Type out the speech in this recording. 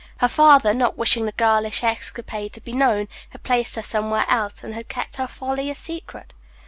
Her father, not wishing the girlish escapade to be known, had placed her somewhere else, and had kept her folly a secret.